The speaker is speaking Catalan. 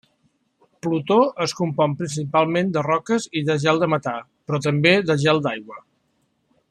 Plutó es compon principalment de roques i gel de metà, però també de gel d'aigua.